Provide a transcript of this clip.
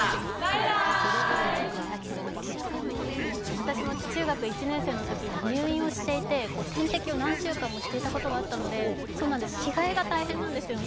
私も中学１年生のときに入院をしていて点滴を何週間もしていたことがあったので、着替えが大変なんですよね、